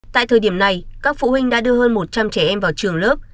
tại thời điểm này các phụ huynh đã đưa hơn một trăm linh trẻ em vào trường lớp